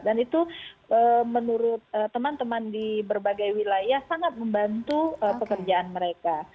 dan itu menurut teman teman di berbagai wilayah sangat membantu pekerjaan mereka